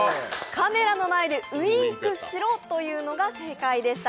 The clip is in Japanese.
カメラの前でウインクしろというのが正解でした。